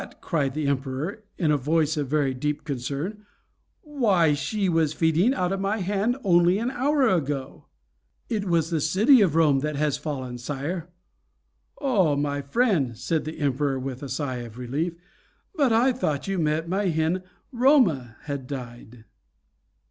cried the Emperor, in a voice of deep concern, "why, she was feeding out of my hand only an hour ago!" "It is the city of Rome that has fallen, sire!" "Oh, my friend," said the Emperor, with a sigh of relief, "but I thought you meant that my hen 'Roma' had died."